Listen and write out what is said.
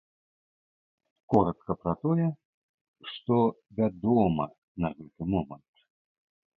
Коратка пра тое, што вядома на гэты момант.